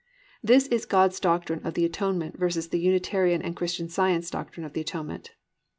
This is God's doctrine of the Atonement versus the Unitarian and Christian Science doctrine of the Atonement.